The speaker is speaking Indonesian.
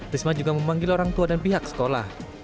risma juga memanggil orang tua dan pihak sekolah